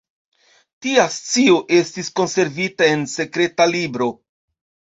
Tia scio estis konservita en sekreta libro.